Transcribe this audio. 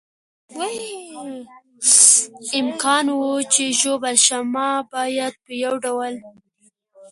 امکان و، چې ژوبل شم، ما باید په یو ډول.